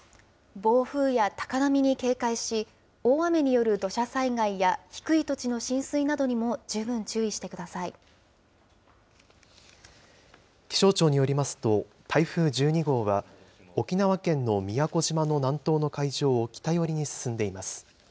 暴風や高波に警戒し、大雨による土砂災害や低い土地の浸水などにも十分注意してくださ気象庁によりますと、台風１２号は、沖縄県の宮古島の南東の海上を北寄りに進んでいます。